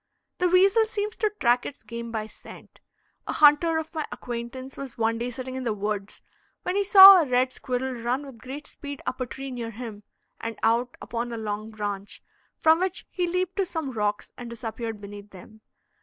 The weasel seems to track its game by scent. A hunter of my acquaintance was one day sitting in the woods, when he saw a red squirrel run with great speed up a tree near him, and out upon a long branch, from which he leaped to some rocks, and disappeared beneath them.